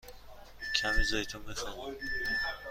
کمی زیتون می خواهم.